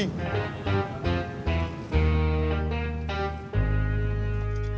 cendol manis dingin